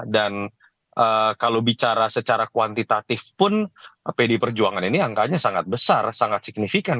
dan kalau bicara secara kuantitatif pun pdi perjuangan ini angkanya sangat besar sangat signifikan